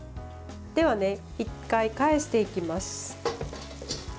では１回、返していきます。